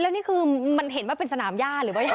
แล้วนี่คือมันเห็นว่าเป็นสนามย่าหรือว่า